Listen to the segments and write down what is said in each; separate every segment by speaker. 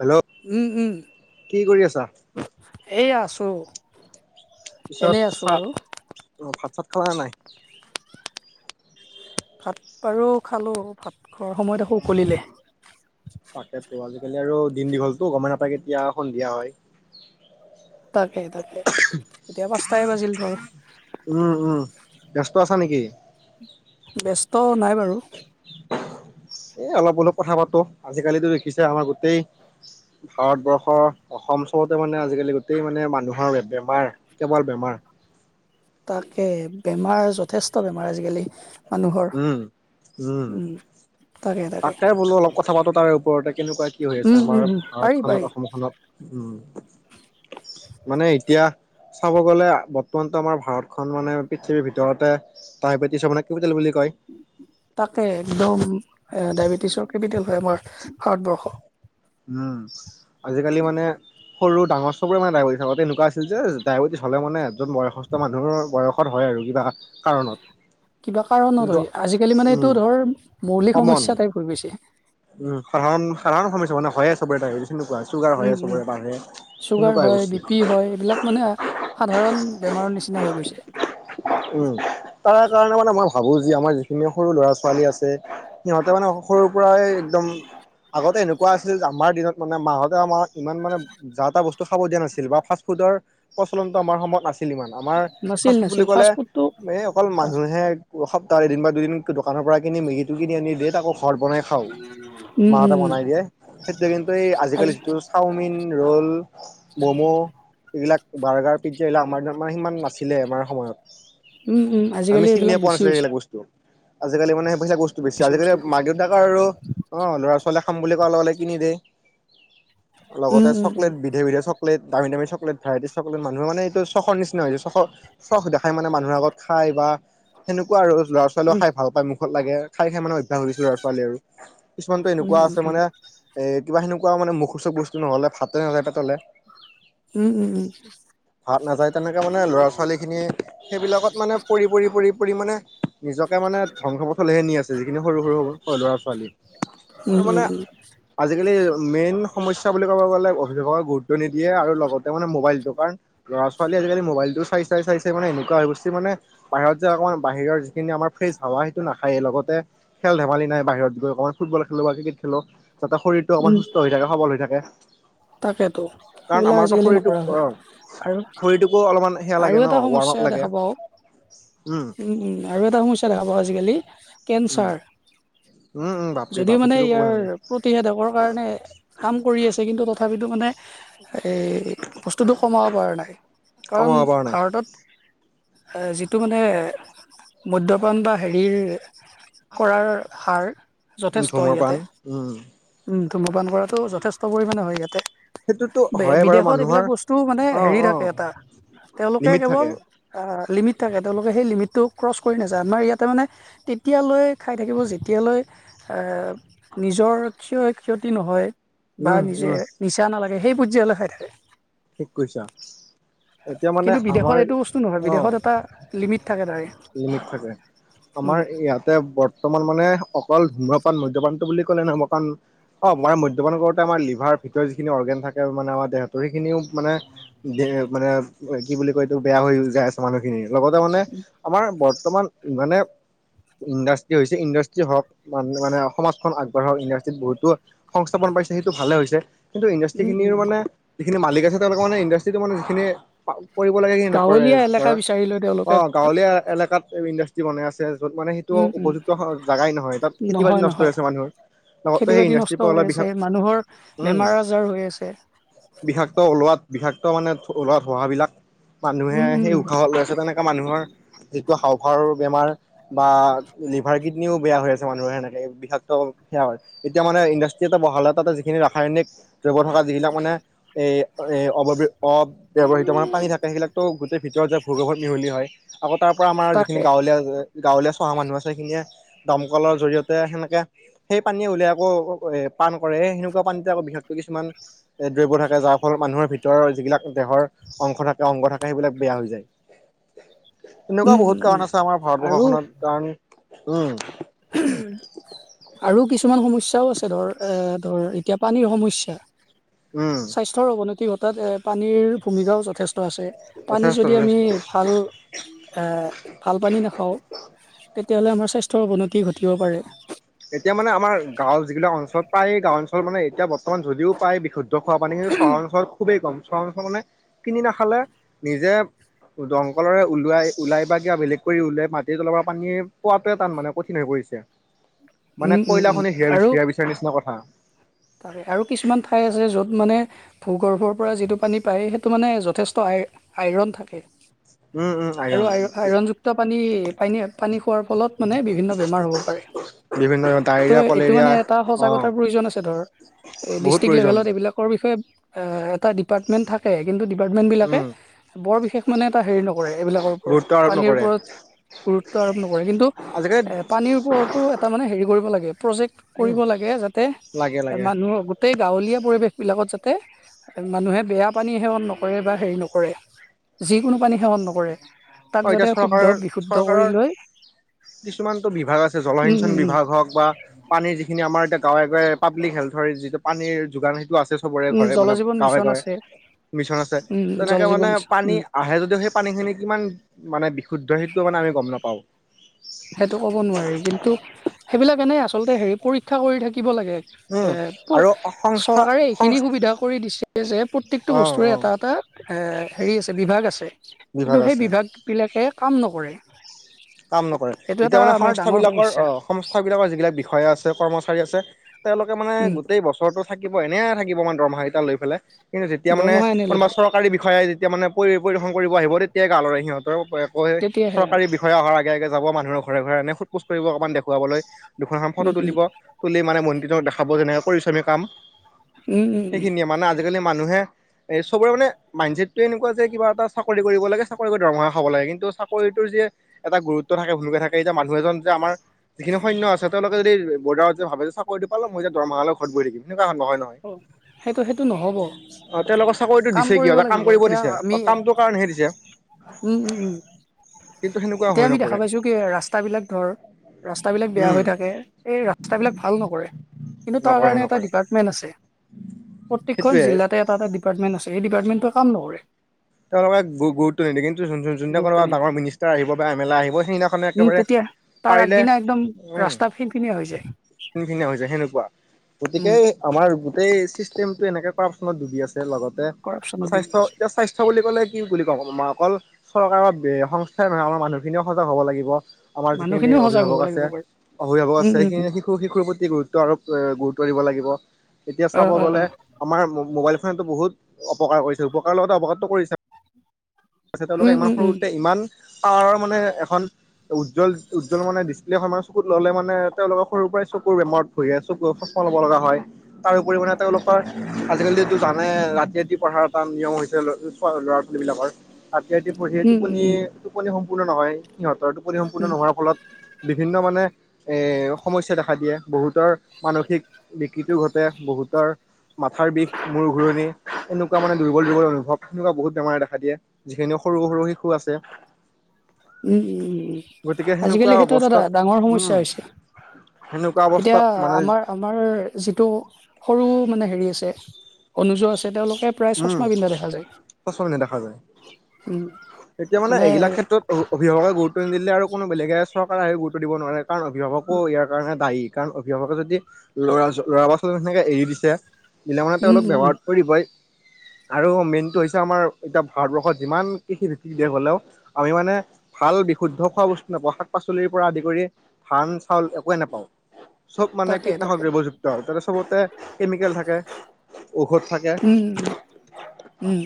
Speaker 1: Hello,
Speaker 2: উম,
Speaker 1: কি কৰি আছা?
Speaker 2: এই আছোঁ।
Speaker 1: পিছত
Speaker 2: এনেই আছোঁ
Speaker 1: চাত,
Speaker 2: বাৰু।
Speaker 1: অ, ভাত-চাত খালা নাই?
Speaker 2: ভাত বাৰো খালোঁ। ভাত খোৱাৰ সময়ত আকৌ উকলিলে।
Speaker 1: তাকেতো, আজিকালি আৰু দিন দীঘলটো, গমেই নাপায় কেতিয়া সন্ধিয়া হয়।
Speaker 2: তাকে, তাকে, এতিয়া পাঁচটাই বাজিল ধৰ।
Speaker 1: উম, উম, ব্যস্ত আছা নেকি?
Speaker 2: ব্যস্ত, নাই বাৰু।
Speaker 1: এ, অলপ-অলপ কথা পাতোঁ। আজিকালিতো দেখিছে, আমাৰ গোটেই ভাৰতবৰ্ষ, অসম অঞ্চলতে মানে আজিকালি, গোটেই মানে মানুহৰ বেমাৰ, কেৱল বেমাৰ।
Speaker 2: তাকে, বেমাৰ, যথেষ্ট বেমাৰ, আজিকালি। মানুহৰ
Speaker 1: উম, উম।
Speaker 2: তাকে।
Speaker 1: তাকে বোলোঁ, অলপ কথা পাতোঁ, তাৰে ওপৰতে, কেনেকুৱা কি হৈ আছে,
Speaker 2: উম,
Speaker 1: আমাৰ
Speaker 2: উম, উম, পাৰি
Speaker 1: ভাৰতখনত,
Speaker 2: পাৰি
Speaker 1: অসমখনত? উম। মানে, এতিয়া চাব গ'লে, বৰ্তমানটো আমাৰ ভাৰতখন, মানে পৃথিৱীৰ ভিতৰতে টাইবেটিছ মানে কেপিটেল বুলি কয়।
Speaker 2: তাকে, একদম। অ, ডায়বেটিছৰ কেপিটেল হয়, আমাৰ ভাৰতবৰ্ষ
Speaker 1: উম, আজিকালি মানে সৰু-ডাঙৰ চবৰে মানে ডায়েবেটিছ, আগতে এনেকুৱা আছিল যে ডায়েবেটিছ হ'লে মানে এজন বয়সস্থ মানুহৰ বয়ত হয় আৰু। এই বিলাক
Speaker 2: কিবা কাৰণত হয়। আজিকালি মানে,
Speaker 1: উম
Speaker 2: এইটো ধৰ, মৌলিক
Speaker 1: কমন
Speaker 2: সমস্যা টাইপ হৈ গৈছে।
Speaker 1: উম, সাধাৰণ, সাধাৰণ সমস্যা মানে, হয়ে চবৰে ডায়েবেটিছ।
Speaker 2: উম, উম,
Speaker 1: সেনেকুৱা
Speaker 2: চুগাৰ
Speaker 1: হৈ
Speaker 2: হয়,
Speaker 1: গৈছে।
Speaker 2: বি পি হয়, এইবিলাক মানে সাধাৰণ বেমাৰৰ নিচিনা হৈ গৈছে।
Speaker 1: উম! তাৰ কাৰণে মানে মা ভাবোঁ যে, আমাৰ যিখিনি সৰু ল'ৰা-ছোৱালী আছে, সিহঁতে মানে সৰু পূৰাই একদম! আগতে এনেকুৱা আছিল যে আমাৰ দিনত, মানে মাহঁতে আমাৰ ইমান মানে, যা-টা বস্তু খাব দিয়া নাছিল বা ফাষ্ট ফুডৰ প্ৰচলনটো আমাৰ সময়ত নাছিল ইমান, আমাৰ
Speaker 2: নাছিল
Speaker 1: ফাষ্ট বুলি
Speaker 2: নাছিল
Speaker 1: ক'লে
Speaker 2: ফুডটো
Speaker 1: এই অকল মানুহে সপ্তাহৰ এদিন বা দুদিন দোকানৰ পৰা কিনি মেগীটো কিনি আনি ডে, তাকো ঘৰত বনাই খাওঁ।
Speaker 2: উম উম
Speaker 1: মাহতে
Speaker 2: উম,
Speaker 1: বনাই দিয়ে। সেইটো কিন্তু এই
Speaker 2: আজি
Speaker 1: আজিকালি যিটো চাওমিন ৰ'ল, ম'ম', এইবিলাক বাৰ্গাৰ, পিজ্জা, এইবিলাক আমাৰ মানে, সিমান নাছিলে আমাৰ সময়ত।
Speaker 2: উম উম
Speaker 1: আমি
Speaker 2: আজিকালি
Speaker 1: চিনিয়ে
Speaker 2: এইবিলাক
Speaker 1: পোৱা
Speaker 2: বেছি
Speaker 1: নাছিলোঁ,
Speaker 2: হৈছে
Speaker 1: সেইবিলাক বস্তু। আজিকালি মানে বস্তু বেছি,
Speaker 2: পিছে
Speaker 1: আজিকালি
Speaker 2: বস্তুটো
Speaker 1: মাক-দেউতাকে আৰু অঁ, ল'ৰা-ছোৱালীয়ে খাম বুলি কোৱাৰ লগে-লগে কিনি দে।
Speaker 2: উম
Speaker 1: লগতে
Speaker 2: উম
Speaker 1: চকলেট, বিধে- বিধে চক চকলেট, দামী-দামী চকলেট, ভেৰাইটি চকলেট, মানুহে মানে এইটো চখৰ নিচিনা হৈছে, চনৰ, চখ দেখাই মানে মানুহ আগত খাই বা সেনেকুৱা আৰু! ল'ৰা ছোৱালীও
Speaker 2: উম
Speaker 1: খাই ভাল পায়, মখ খত লাগে, খাই-খাই মানে অভ্যাস হৈছিল আৰু ছোৱালীৰ আৰু! কিছুমানতো
Speaker 2: উম
Speaker 1: এনেকুৱা আছে মানে কিবা সেনেকুৱা মানে মুখৰোচক বস্তু নহ'লে ভাতে নাযায় পেটলে।
Speaker 2: উম উম উম উম উম উম
Speaker 1: ভাত নাযায় তেনেকে, মানে লৰা-ছোৱালী খিনি সেইবিলাকত মানে, পৰি-পৰি, পৰি-পৰি, মানে নিজকে মানে ধ্বংস পথলৈহে নি আছে, যিখিনি সৰু-সৰু হ'ব ল'ৰা-ছোৱালী আৰু
Speaker 2: উম
Speaker 1: মানে
Speaker 2: উম
Speaker 1: আজিকালি মেইন সমস্যা বুলি ক'ব গ'লে, অভিভাৱকে গুৰুত্ব নিদিয়ে আৰু লগতে মানে মোবাইলটো কাৰণ, ল'ৰা-ছোৱালী আজিকালি মোবাইলটো চাই-চাই, চাই-চাইহে মানে এনে। হৈ গৈছি মানে, বাহিৰত যে অকণমান, বাহিৰৰ যিখিনি আমাৰ ফ্ৰেছ হাৱা সেইটো নাখায়েই, লগতে খেল ধেমালি নাই বাহিৰত গৈ অকণমান ফুটবল খেলো বা ক্ৰিকেট খেলো যাতে শৰীৰটো
Speaker 2: উম
Speaker 1: অকমান সুস্থ হৈ থাকে সবল হৈ থাকে
Speaker 2: তাকেতো
Speaker 1: কাৰণ
Speaker 2: সেইবিলাক
Speaker 1: আমাৰতো
Speaker 2: আজিকালি
Speaker 1: শৰীৰটোক
Speaker 2: নকৰা
Speaker 1: অ
Speaker 2: আৰু
Speaker 1: শৰীৰটোকো অলপমান সেয়া
Speaker 2: আৰু
Speaker 1: লাগে ন
Speaker 2: এটা
Speaker 1: ৱাৰ্ম আপ
Speaker 2: সমস্যা এটা
Speaker 1: লাগে
Speaker 2: খাবা উম উম আৰু এটা সমস্যা দেখাবা আজিকালি
Speaker 1: উম,
Speaker 2: কেনঞ্চাৰ
Speaker 1: উম, উম, বাপৰে
Speaker 2: যদিও
Speaker 1: বাপ
Speaker 2: মানে
Speaker 1: সেইটোতো ক'ব
Speaker 2: ইয়াৰ
Speaker 1: নালাগে
Speaker 2: প্ৰতিষেধকৰ কাৰণে কাম কৰি আছে কিন্তু তথাপিতো এই বস্তুটো কমাব পৰা নাই কাৰণ
Speaker 1: কমাব পৰা নাই
Speaker 2: ভাৰতত যিটো মানে মদ্যপান বা হেৰিৰ কৰাৰ হাৰ
Speaker 1: উম,
Speaker 2: যথেষ্ট
Speaker 1: ধূমৰপান
Speaker 2: ইয়াতে
Speaker 1: উম।
Speaker 2: উম ধুম্ৰপান কৰাটো যথেষ্ট পৰিমাণে হয় ইয়াত
Speaker 1: সেইটোতো হয়ে বাৰু
Speaker 2: বিদেশত
Speaker 1: মানুহৰ
Speaker 2: এইবিলাক বস্তু মানে
Speaker 1: অ',
Speaker 2: হেৰি
Speaker 1: অ',
Speaker 2: থাকে এটা তেওঁলোকে
Speaker 1: লিমিট থাকে
Speaker 2: কেৱল আহ লিমিট থাকে তেওঁলোকে সেই লিমিটটো ক্ৰছ কৰি নাযায় আমাৰ ইয়াতে মানে তেতিয়ালৈ খাই থাকিব যেতিয়ালৈ নিজৰ ক্ষয় ক্ষতি নহয়
Speaker 1: উম উম
Speaker 2: মিছা নালাগে সেই প্ৰজ্যালৈ খাই থাকে
Speaker 1: ঠিক কৈছা এতিয়া মানে
Speaker 2: কিন্তু
Speaker 1: আমাৰ
Speaker 2: বিদেশত এইটো বস্তু নহয়
Speaker 1: অ
Speaker 2: বিদেশত এটা লিমিট থাকে তাৰে
Speaker 1: লিমিট থাকে আমাৰ
Speaker 2: উম
Speaker 1: ইয়াতে বৰ্তমান মানে অকল ধুম্ৰপান মধ্যপান বুলি কলে নহ'ব কাৰণ অ মানে মদ্যবান কৰোতে আমাৰ লিভাৰ ভিতৰ যিখিনি অৰ্গেন থাকোনে আমাৰ দেহাতৰ সেইখিনিও মানে মানে কি বুলি কয় এইটো বেয়া হৈ যাই আছে মানুহখিনিৰ লগতে মানে আমাৰ বৰ্তমান ইমানে ইণ্ডাষ্ট্ৰি হৈছে ইণ্ডাষ্ট্ৰি হওক মানে সমাজখন আগবঢ়াওক ইণ্ডাষ্ট্ৰিত বহুতো সংস্থাপন পাইছে সেইটো ভালে হৈছে কিন্তু ইণ্ডাষ্ট্ৰি
Speaker 2: উম
Speaker 1: খিনিৰ মানে যিখিনি মালিক আছে তেওঁলোকৰ মানে ইণ্ডাষ্ট্ৰিটো মানে যিখিনি কৰিব লাগে কি নকৰে
Speaker 2: গাঁৱলীয়া এলেকা
Speaker 1: ধৰা
Speaker 2: বিচাৰি লৈ
Speaker 1: অ
Speaker 2: তেওঁলোকে
Speaker 1: গাঁৱলীয়া এলেকাত ইণ্ডাষ্ট্ৰি বনাই আছে। য'ত মানে সেইটো
Speaker 2: উম উম
Speaker 1: উপযুক্ত জোগাই নহয় তাত খেতি বাতি
Speaker 2: নহয়
Speaker 1: নষ্ট হৈ
Speaker 2: নহয়
Speaker 1: আছে মানুহৰ লগতে
Speaker 2: খেতি
Speaker 1: সেই
Speaker 2: বাতি
Speaker 1: ইণ্ডাষ্ট্ৰিৰ
Speaker 2: নষ্ট
Speaker 1: পৰা ওলোৱা
Speaker 2: হৈ আছে
Speaker 1: বিষাক
Speaker 2: মানুহৰ
Speaker 1: উম
Speaker 2: বেমাৰ আজাৰ হৈ আছে।
Speaker 1: বিষাক্ত ওলোৱাত বিষাক্ত মানে ওলুৱাত ধহ বিলাক মানুহে
Speaker 2: উম উম
Speaker 1: সেই
Speaker 2: উম
Speaker 1: উশাহত লৈ আছে তেনেকে মানুহৰ যিটো হাওফাৰৰ বেমাৰ বা লিভাৰ কিডনীও বেয়া হৈ আছে মানুহে সেনেকে বিষাক্ত সেয়া হয় এতিয়া মানে ইণ্ডাষ্ট্ৰি এটা বহালে তাতে যিখিনি ৰাসায়নিক দ্ৰৱ্য থকা যিবিলাক মানে এ এ অ অব্যৱহৃত মানে পানী থাকে সেইবিলাকতো গোটেই ভিতৰত যে ভূগৰ্ভত মিহলি হয়। আকৌ তাৰ পৰা আমাৰ যিখিনি
Speaker 2: তাকে
Speaker 1: গাঁৱলীয়া গাঁৱলীয়া খহা মানুহ আছে সেইখিনিয়ে দমকলৰ জৰিয়তে সেনেকে সেই পানীয়ে উলিয়াই আকৌ পান কৰে। এ সেনেকুৱা পানীতে আকৌ বিষক্তটো কিছুমান এ দ্ৰব্য থাকে। যাৰ ফল মানুহৰ ভিতৰৰ যিবিলাক দেহৰ অংশ থাকে অংগ থাকে সেইবিলাক বেয়া হৈ যায়। এনেকুৱা
Speaker 2: উম উম
Speaker 1: বহুত
Speaker 2: উম
Speaker 1: কাৰণ আছে আমাৰ
Speaker 2: আৰু
Speaker 1: ভাৰতবৰ্ষখনত কাৰণ উম
Speaker 2: আৰু কিছুমান সমস্যাও ধৰ আছে এ ধৰ এতিয়া পানীৰ সমস্যা
Speaker 1: উম
Speaker 2: স্বাস্থ্যৰ অৱনতি ঘ তাত এ পানীৰ ভূমিকাও যথেষ্ট আছে পানী
Speaker 1: যথেষ্ট
Speaker 2: যদি আমি
Speaker 1: যথেষ্ট
Speaker 2: ভাল এ ভাল পানী নাখাওঁ
Speaker 1: [inaudible]
Speaker 2: তেতিয়াহ'লে আমাৰ স্বাস্থ্যৰ অৱনতি ঘটিব পাৰে
Speaker 1: এতিয়া মানে আমাৰ গাঁও যিবিলাক অঞ্চল প্ৰায় গাঁও অঞ্চল মানে এতিয়া বৰ্তমান যদিও পায় বিশুদ্ধ খোৱা পানী কিন্তু চহৰত খুবেই কম চহৰ অঞ্চলৰ মানে কিনি নাখালে নিজে দমকলৰে ওলোৱাই ওলাই বা কিয়া বেলেগ কৰি ওলাই মাটিৰ তলৰ পৰা পানীয়ে পোৱাটোৱে তাৰ মানে কঠিন হৈ পৰিছে। মানে
Speaker 2: উম উম উম
Speaker 1: কয়লাখনি হেৰা
Speaker 2: আৰু
Speaker 1: হেৰা বিচাৰ নিচিনা কথা
Speaker 2: তাকে আৰু কিছুমান ঠাই আছে য'ত মানে ভূগৰ্ভৰ পৰা যিটো পানী পায় সেইটো মানে যথেষ্ট আ আইৰণ থাকে।
Speaker 1: উম উম।
Speaker 2: আৰু আ
Speaker 1: আইৰণ
Speaker 2: আইৰণযুক্ত পানী পানী পানী খোৱাৰ ফলত মানে বিভিন্ন বেমাৰ হ'ব পাৰে।
Speaker 1: বিভিন্ন
Speaker 2: ত
Speaker 1: ডায়েৰিয়া
Speaker 2: এইটো
Speaker 1: কলেৰিয়া
Speaker 2: মানে এটা
Speaker 1: অ'
Speaker 2: সজাগতাৰ প্ৰয়োজন আছে ধৰ।
Speaker 1: বহুত
Speaker 2: ডিষ্ট্ৰিক্ট
Speaker 1: প্ৰয়োজন
Speaker 2: লেভেলত এইবিলাকৰ বিষয়ে এটা ডিপাৰ্টমেন্ট থাকে কিন্তু। ডিপাৰ্টমেণ্টবিলাকে
Speaker 1: উম
Speaker 2: বৰ বিশেষ মানে এটা হেৰি নকৰে এইবিলাকৰ ওপৰত
Speaker 1: গুৰুত্ব আৰোপ
Speaker 2: পানীৰ
Speaker 1: নকৰে
Speaker 2: ওপৰত। গুৰুত্ব আৰোপ নকৰে কিন্তু
Speaker 1: আজিকালি
Speaker 2: এ পানীৰ ওপৰতো এটা মানে হেৰি কৰিব লাগে প্ৰজেক্ট
Speaker 1: উম
Speaker 2: কৰিব লাগে। যাতে
Speaker 1: লাগে লাগে
Speaker 2: আম গো। গোটেই গাঁৱলীয়া পৰিৱেশ বিিলাকত যাতে মানুহে বেয়া পানী সেৱন নকৰে বা হেৰি নকৰে। যিকোনো পানী সেৱন নকৰে। তাক
Speaker 1: হয়তি
Speaker 2: যাতে শুদ্ধ
Speaker 1: চৰকাৰৰ
Speaker 2: বিশুদ্ধ
Speaker 1: চৰকাৰৰ।
Speaker 2: কৰি লৈ
Speaker 1: কিছুমানতটো বিভাগ আছে
Speaker 2: উম
Speaker 1: জলসিঞ্চন
Speaker 2: উম উম
Speaker 1: বিভাগ হওক বা পানীৰ যিখিনি আমাৰ। য়া গাঁৱে গাঁৱে পাব্লিক হেল্থৰ যিটো পানীৰ যোগান সেইটো আছে সবৰে
Speaker 2: উম
Speaker 1: ঘৰে
Speaker 2: জল
Speaker 1: মানে
Speaker 2: জীৱন
Speaker 1: গাঁৱে
Speaker 2: মিছন
Speaker 1: গাঁৱে।
Speaker 2: আছে
Speaker 1: মিছন আছে
Speaker 2: উম জল
Speaker 1: তেনেকে মানে
Speaker 2: জীৱন মিছন
Speaker 1: পানী
Speaker 2: উম
Speaker 1: আহে যদিও সেই পানী খিনি কিমান। মানে বিশুদ্ধ সেইটো মানে আমি গম নাপাওঁ।
Speaker 2: সেইটো ক'ব নোৱাৰি কিন্তু সেইবিলাক এনেই আচলতে হেৰি পৰীক্ষা কৰি থাকি। থাকিব লাগে
Speaker 1: উম
Speaker 2: এ প
Speaker 1: আৰু সংস্থা
Speaker 2: চৰকাৰে এইখিনি
Speaker 1: সংস্থ
Speaker 2: সুবিধা কৰি দিছে যে প্ৰত্যেকটো
Speaker 1: অ'
Speaker 2: বস্তুৰে্
Speaker 1: অ'
Speaker 2: এটা এটা। হেৰি আছে বিভাগ আছে
Speaker 1: বিভাগ
Speaker 2: কিন্তু সেই
Speaker 1: আছে
Speaker 2: বিভাগবিলাকে কাম নকৰে।
Speaker 1: কাম নকৰে
Speaker 2: এইটো
Speaker 1: এতিয়া
Speaker 2: এটা
Speaker 1: মানে
Speaker 2: আমাৰ
Speaker 1: সংস্থ
Speaker 2: ডাঙৰ
Speaker 1: বিলাকৰ
Speaker 2: সমস্যা
Speaker 1: অ সংস্থা বিলাকৰ যিবিলাক বিষয়া আছে কৰ্মচাৰী আছে। তেওঁলোকে মানে
Speaker 2: উম
Speaker 1: গোটেই বছৰটো থাকিব এনে থাকিব মানে দৰমহা কেইটা লৈ পেলাই। কিন্তু যেতিয়া মানে
Speaker 2: দৰমহা এনে লৈ
Speaker 1: কোনোবা
Speaker 2: থাকে
Speaker 1: চৰকাৰী বিষয়াই যেতিয়া মানে পৰি পৰিদৰ্েশন কৰিব আহিব তেতিয়য়া গালৰে সিহঁতৰ।
Speaker 2: তেতিয়াহে
Speaker 1: চৰকাৰী।
Speaker 2: জানা।
Speaker 1: েগে যাব মানুহৰ ঘৰে ঘৰে এনে সোধ পোছঢ় অকণমানখুৱাবলৈ দুখন ফটো
Speaker 2: উম উম
Speaker 1: তুলিব তুলি মানে ম। নিজক দেখাব যেনেকৈ কৰিছোঁ আমি কাম
Speaker 2: উম উম উম
Speaker 1: সেইখিনিয়ে মানে আজিকালি মানুহে। এ চবৰে মানে মাইণ্ড চছেটোৱে এনেকুৱা যে কিবা এটা চাকৰি কৰিব লাগে চাকৰি কৰি দৰমহা খাব লাগে কিন্তু চাকৰিটোৰ যেে। এটা গুৰুত্ব থাকে ভুনকে থাকে যে মানুহ এজন যে আমাৰ। যিখিনিৈন্য আছে তেওঁোকে যদি বৰ্ডাৰত যে ভাবে যে চাকৰিটো পাল মই যে দৰমাহালৈ ঘৰত বহ থাকিম। তেনেকুৱা খন নহয় নহয়
Speaker 2: অ সেইটো সেইটো নহ'ব
Speaker 1: তেওঁলোকৰ চাকৰিত
Speaker 2: কাম
Speaker 1: দিছে কিয় এ কাম
Speaker 2: লাগিব
Speaker 1: কৰিব
Speaker 2: এতিয়া
Speaker 1: দিছে।
Speaker 2: আমি
Speaker 1: কামটো কাৰণ দিছে।
Speaker 2: উম, উম, উম,
Speaker 1: কিন্তু সেনেকুৱা
Speaker 2: এতিয়া
Speaker 1: হৈ
Speaker 2: আমি দেখা
Speaker 1: নপৰে।
Speaker 2: পাইছো কি ৰাস্তাবিলাক ধৰ। ৰাস্তাবিলাক বেয়া
Speaker 1: উম,
Speaker 2: হৈ থাকে, এই ৰাস্তাবিলাক ভাল নকৰে কিন্তু তাৰ
Speaker 1: নকৰে
Speaker 2: কাৰণে এটা
Speaker 1: নকৰে
Speaker 2: ডিপাৰ্টমেণ্ট মেণ্ট আছে, প্ৰত্যেখন
Speaker 1: সেইটোয়ে।
Speaker 2: জিলাতে এটা এটা ডিপাৰ্টমেণ্ট আছে, সেই ডিপাৰ্টমেণ্টোৱে কাম নকৰে।
Speaker 1: [inaudible] তেওঁলোকে গুৰুত্ব নিদে কিন্তু যোনদি
Speaker 2: গুৰুত্ব
Speaker 1: কোনোবা
Speaker 2: নিদিয়ে
Speaker 1: ডাঙৰ মিনিষ্টাৰ আহিব বা এম এল এ আহিব সেইদিনাখননে
Speaker 2: উম
Speaker 1: একেবাৰে।
Speaker 2: তেতিয়া তাৰ
Speaker 1: পাৰিলে
Speaker 2: আগদিনা একদম ৰাস্তা ফিন পিনি হৈ যায়।
Speaker 1: খিন খিনিয়া হৈ যায় সেনেকুৱা,
Speaker 2: উম
Speaker 1: গতিকে। আমাৰ গোটেই চিষ্টেমটো এনেকে কৰাপচনত ডুবি আছে, লগতে
Speaker 2: কৰাপচনত ডুবি
Speaker 1: স্বাস্থ্য
Speaker 2: গৈছে
Speaker 1: এতিয়া স্বাস্থ্য। লে কি বুলি কমাৰ অকল চৰকাৰৰ বা সংস্থাই নহয় আমাৰ মানুহখিনিয়ও সজাগ হ'ব লাগিব। আমাৰ যিখিনি
Speaker 2: মানুহখিনিও সজাগ হ'ব
Speaker 1: অভিভাৱক আছে,
Speaker 2: লাগিব বাৰু
Speaker 1: অভিভাৱক আছে
Speaker 2: উম উম উম
Speaker 1: সেইখিনি শিশু শিশুৰ প্ৰতি গুৰুত্ব আৰ গুৰুত্ব। কৰিব লাগিব, এতিয়া
Speaker 2: অ
Speaker 1: চাব
Speaker 2: অ অ
Speaker 1: গ'লে আমাৰ ম'বাইল ফোন টো বহুত অপকাৰ কৰিছে, উপকাৰৰ লগতে অৱকাটো কৰিছে। তেওঁলোকে
Speaker 2: উম
Speaker 1: ইমান
Speaker 2: উম উম
Speaker 1: সৰুতে ইমান পাৰৰ মানে এখন উ উজ্বল উজ্বল মানে ডিছপ্লেৰ খন চকুত ল'লে মানে তেওঁলোকৰ সৰুৰ পৰাই চকুৰ বেমাৰত ভুগেকে চচমা ল'ব লগা হয় তাৰপৰি মানে তেওঁলোক। আজিকালি যটো জানে ৰাতি ৰাতি পঢ়াৰ এটা নিয়ম হৈছে ল'ৰা ছোৱালী বিলাকৰ। ৰাতি ৰূ পঢ়ি
Speaker 2: উম উম উম উম
Speaker 1: টোপনি
Speaker 2: উম উম
Speaker 1: টোপনি সম্পূৰ্ণ নহয় সিহঁত। ফলট টোপনি সম্পূৰ্ণ নোহোৱাৰ ফলত বিভিন্ন মানে। এৰ সমস্যা দেখা দিয়ে, বহুতৰ মানসিক বিকতিও ঘটে বহুতৰ। মাথাৰ বিষ, মূৰ ঘূৰণি এনেকুৱা মানে দুৰ্বল দুৰ্বল অনুভৱ এনেকুৱা বহুত বেমাৰে দেখা দিয়ে। যিখিনি সৰু সৰু শিশু আছে।
Speaker 2: উম, উম, উম,
Speaker 1: গতিকে সেনেকুৱা
Speaker 2: আজিকালি সেইটো এটা এটা
Speaker 1: অৱস্থাত
Speaker 2: ডাঙৰ সমস্যা
Speaker 1: উম
Speaker 2: হৈছে।
Speaker 1: সেনেকুৱা
Speaker 2: এতিয়া
Speaker 1: অৱস্থাত
Speaker 2: আ
Speaker 1: মানে
Speaker 2: আমাৰ আমাৰ যিটো সৰু মানে হেৰি ছে অনুজ ও আছে তেওঁলোকে প্ৰায়
Speaker 1: উম
Speaker 2: চশমা পিন্ধা দেখা যায়।
Speaker 1: সচল নেদেখা যায়
Speaker 2: উম,
Speaker 1: এতিয়া
Speaker 2: মানে এ
Speaker 1: এইবিলাক ক্ষেত্ৰত অভিভাৱকে গুৰুত্ব নিদিলে আৰু কোনো বেলেগে চৰকাৰে আহি গুৰুত্ব দিব নোৱাৰে কাৰণ অভিভাৱকো ইয়াৰ কাৰণে দায়ী। কাৰণ অভিভাৱকে যদি ল'ৰা-ছোৱালীৰ বা ছোৱালীক সেনেকে এৰি দিছে। নগাঁওতে
Speaker 2: উম
Speaker 1: অলপ
Speaker 2: উম উম
Speaker 1: বেমাৰত পৰি। আৰু মেইনটো হৈছে আমাৰ এতিয়া ভাৰতবৰ্ষত যিমান কৃষিভিত্তিক দেশ হ'লেও আমি মানে ভাল বিশুদ্ধ খোৱা বস্তু নাপাওঁ, শাক পাচলিৰ পৰা আদি কৰি ধান চাউল একোৱেই নাপাওঁ। চ'ব মানে
Speaker 2: তাকে
Speaker 1: কীটনাশক
Speaker 2: তাকে
Speaker 1: দ্ৰব্যযুক্ত তাতে চবতে কেমিকেল থাকে, ঔষধ থাকে।
Speaker 2: ঊম।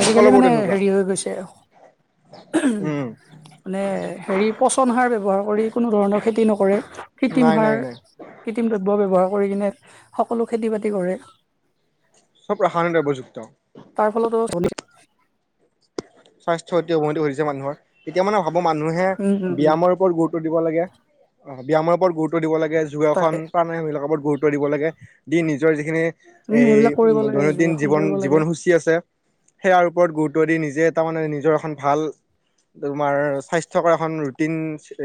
Speaker 2: আজিকালি
Speaker 1: সকলোবোৰ
Speaker 2: মানেই
Speaker 1: তেনেকুৱা
Speaker 2: হেৰি হৈ গৈছে। উহু,
Speaker 1: উম
Speaker 2: মানে হেৰি পচন সাৰ ব্যৱহাৰ কৰি। কোনো ধৰণৰ খেতি নকৰে, কৃত্ৰিম
Speaker 1: নাই নাই
Speaker 2: সাৰ-
Speaker 1: নাই
Speaker 2: কৃত্ৰিম দ্ৰব্য ব্যৱহাৰ কৰি কেনে সকলো খেতি বাতি কৰে।
Speaker 1: চ'ব প্ৰসাৰণে উপযুক্ত।
Speaker 2: তাৰ ফলতো [unintelligible]
Speaker 1: স্বাস্থ্য অতি অৱনতি ঘটিছে মানুহৰ। এতিয়া মানে ভাবো মানুহে
Speaker 2: উম উম উম
Speaker 1: ব্যায়ামৰ ওপৰত গুৰুত্ব দিব লাগে। অ' ব্যায়ামৰ ওপৰত গুৰুত্ব দিব লাগে। [inaudible]
Speaker 2: তাকে
Speaker 1: গুৰুত্ব দিব লাগে, দি নিজৰ যিখিনি
Speaker 2: উম
Speaker 1: এ-এই
Speaker 2: সেইবিলাক কৰিব লাগে
Speaker 1: দৈনন্দিন
Speaker 2: যোগাসন
Speaker 1: জীৱন
Speaker 2: কৰিব লাগে
Speaker 1: জীৱনসূচী আছে। সেয়াৰ ওপৰত গুৰুত্ব দি নিজে তাৰমানে নিজৰ এখন ভাল তোমাৰ স্বাস্থ্যকৰ এখন ৰুটিন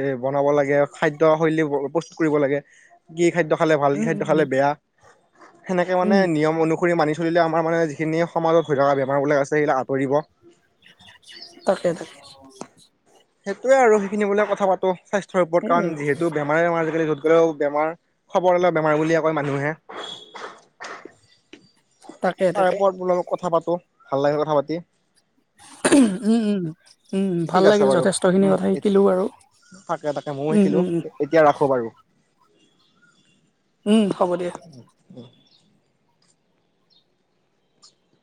Speaker 1: এ বনাব লাগে, খাদ্য শৈলীও বহুত প্ৰস্তুত কৰিব লাগে। কি খাদ্য খালে ভাল, কি
Speaker 2: উম
Speaker 1: খাদ্য
Speaker 2: উম
Speaker 1: খালে
Speaker 2: উম
Speaker 1: বেয়া, সেনেকে মানে
Speaker 2: উম
Speaker 1: নিয়ম অনুসৰি মানি ধৰিলোৱা আমাৰ মানে যিখিনি সমাজত হৈ থকা বেমাৰ ওলাই আছে সেইবিলাক আঁতৰিব।
Speaker 2: তাকে, তাকে।
Speaker 1: সেইটোৱে আৰু সেইখিনি বোলে কথা পাতোঁ স্বাস্থ্যৰ ওপৰত
Speaker 2: সেই
Speaker 1: কাৰণ
Speaker 2: আৰু
Speaker 1: যিহেতু বেমাৰে আমাৰ আজিকালি এনেও বেমাৰ খবৰ ল'লে বেমাৰ বুলিয়ে কয় মানুহে।
Speaker 2: তাকে তাকে
Speaker 1: তাৰেপৰত বোলো অলপ কথা পাতো ভাল লাগে কথা পাতি।
Speaker 2: উহু, উম, উম, উম, ভাল
Speaker 1: ঠিক আছে
Speaker 2: লাগিল
Speaker 1: বাৰু
Speaker 2: যথেষ্টখিনি
Speaker 1: উম
Speaker 2: কথা শিকিলো বাৰু।
Speaker 1: তাকে তাকে ময়ও
Speaker 2: উম
Speaker 1: শিকিলো,
Speaker 2: উম উম
Speaker 1: এতিয়া ৰাখো বাৰু।
Speaker 2: উম, হ'ব দিয়া।